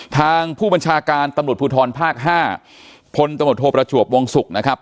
ทางผู้บัญชาการตำหนดภูทรภาคห้าพธปรชวบวงศุกร์นะครับ